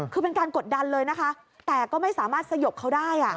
คือเป็นการกดดันเลยนะคะแต่ก็ไม่สามารถสยบเขาได้